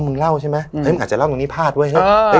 อ๋อมึงเล่าใช่ไหมอืมมึงอาจจะเล่าตรงนี้พลาดเว้ยเออ